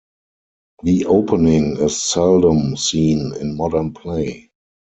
The opening is seldom seen in modern play.